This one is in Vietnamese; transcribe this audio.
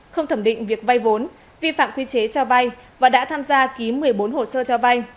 không thẩm định việc vay vốn vi phạm quy chế cho vay và đã tham gia ký một mươi bốn hồ sơ cho vay